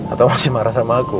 atau masih marah sama aku